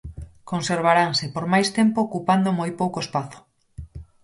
Conservaranse por máis tempo ocupando moi pouco espazo.